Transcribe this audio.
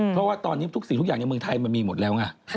เพราะว่าตอนนี้ทุกสิ่งทุกอย่างในเมืองไทยมันมีหมดแล้วไง